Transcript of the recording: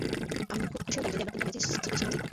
আমি খুব খুশি হতাম যদি আমরা তিনটা ম্যাচই জিতে সিরিজ জিততাম।